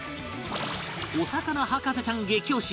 お魚博士ちゃん激推し！